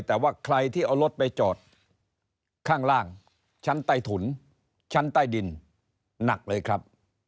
แต่ว่าใครที่เอารถไปจอดข้างล่างชั้นใต้ถุนชั้นใต้ดินหนักเลยครับ